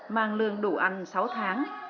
mang lương đủ ăn sáu tháng